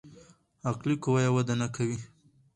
عقلي قوه يې وده نکوي.